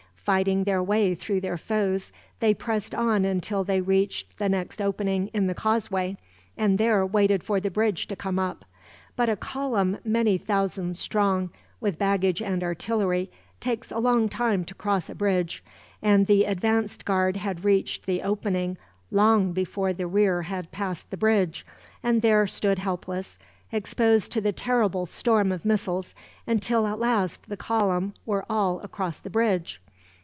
Fighting their way through their foes they pressed on until they reached the next opening in the causeway, and there waited for the bridge to come up. But a column many thousands strong, with baggage and artillery, takes a long time to cross a bridge; and the advanced guard had reached the opening long before the rear had passed the bridge, and there stood helpless, exposed to the terrible storm of missiles, until at last the column were all across the bridge.